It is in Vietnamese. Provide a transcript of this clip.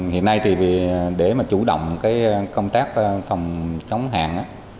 hiện nay để chủ động công tác phòng chống hạn